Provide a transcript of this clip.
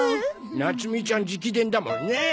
なつみちゃん直伝だもんね。